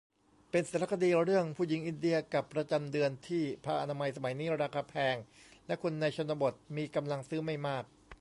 เป็นสารคดีเรื่องผู้หญิงอินเดียกับประจำเดือน ที่ผ้าอนามัยสมัยนี้ราคาแพงและคนในชนบทมีกำลังซื้อไม่มาก